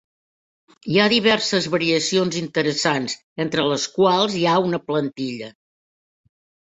Hi ha diverses variacions interessants, entre les quals hi ha una plantilla.